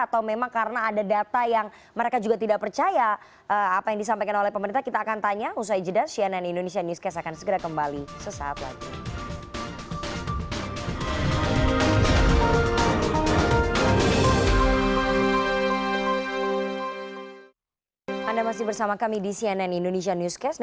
atau memang karena ada data yang mereka juga tidak percaya apa yang disampaikan oleh pemerintah